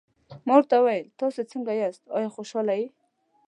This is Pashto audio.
ما ورته وویل: تاسي څنګه یاست، آیا خوشحاله یې؟